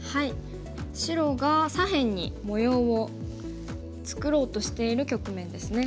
白が左辺に模様を作ろうとしている局面ですね。